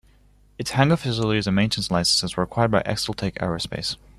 Its hangar facilities and maintenance licences were acquired by ExelTech Aerospace.